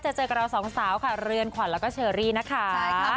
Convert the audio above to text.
เจอกับเราสองสาวค่ะเรือนขวัญแล้วก็เชอรี่นะคะ